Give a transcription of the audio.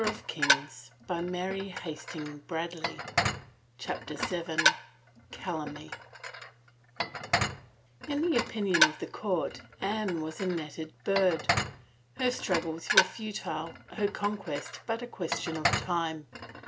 Look — there is a serpent in the handle I " CHAPTER VII CALUMNY XN the opinion of the court Anne was a netted bird. Her struggles were futile, her conquest but a question of time.